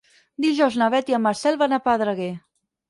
Dijous na Beth i en Marcel van a Pedreguer.